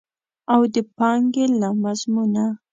او د پانګې له مضمونه.